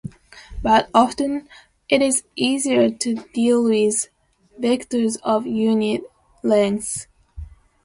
But often, it is easier to deal with vectors of unit length.